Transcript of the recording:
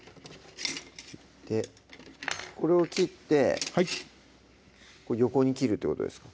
これを切ってはい横に切るってことですか？